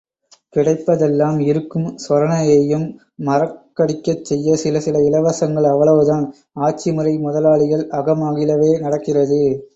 கிடைப்பதெல்லாம் இருக்கும் சொரணையையும் மறக்கடிக்கச் செய்ய சில சில இலவசங்கள் அவ்வளவுதான் ஆட்சிமுறை முதலாளிகள் அகம் மகிழவே நடக்கிறது.